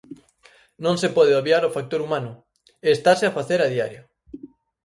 Non se pode obviar o factor humano, e estase a facer a diario.